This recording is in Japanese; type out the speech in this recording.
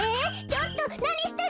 ちょっとなにしてるの？